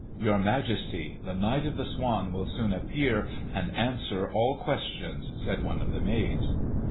"Your Majesty, the Knight of the Swan will soon appear and answer all questions," said one of the maids.